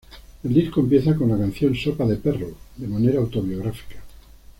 El disco empieza con la canción "Sopa de Perro" de manera autobiográfica.